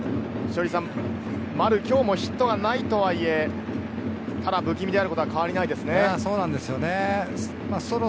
稀哲さん、丸は今日もヒットがないとはいえ、不気味であることは変わりないですね。